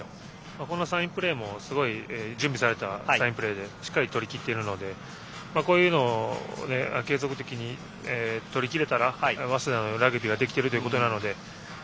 このサインプレーもすごい準備されていたサインプレーでしっかり取りきっているのでこういうのを継続的に取りきれたら早稲田のラグビーができているということなので。